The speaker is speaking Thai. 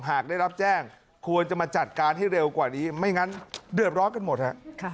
หากได้รับแจ้งควรจะมาจัดการให้เร็วกว่านี้ไม่งั้นเดือดร้อนกันหมดฮะ